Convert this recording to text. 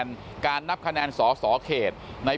โปรดติดตามต่อไป